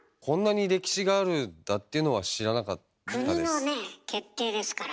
こんなに歴史があるんだっていうのは知らなかったです。